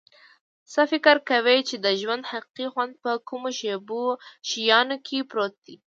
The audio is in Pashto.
څه فکر کویچې د ژوند حقیقي خوند په کومو شیانو کې پروت ده